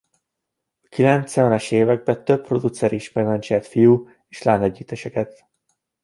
A kilencvenes években több producer is menedzselt fiú- és lányegyütteseket.